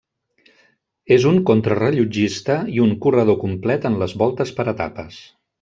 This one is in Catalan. És un contrarellotgista i un corredor complet en les voltes per etapes.